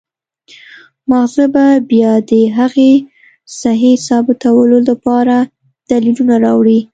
مازغه به بيا د هغې سهي ثابتولو د پاره دليلونه راوړي